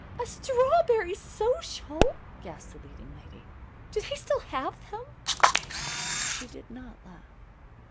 "A strawberry social!" gasped the leading lady. "Do they still have them?" She did not laugh.